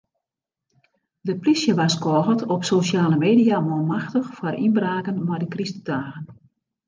De plysje warskôget op sosjale media manmachtich foar ynbraken mei de krystdagen.